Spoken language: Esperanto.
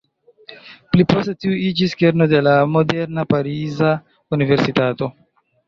Pli poste tiu iĝis kerno de la moderna pariza universitato.